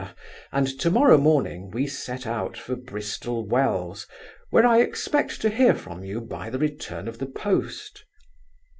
and to morrow morning we set out for Bristol Wells, where I expect to hear from you by the return of the post.